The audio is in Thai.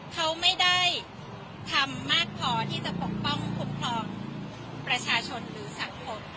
เขาไม่ได้ทำมากพอที่จะปกป้องคุ้มครองประชาชนหรือสังคม